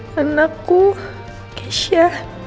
karena aku kecia